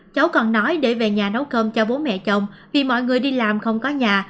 cháu còn nói để về nhà nấu cơm cho bố mẹ chồng vì mọi người đi làm không có nhà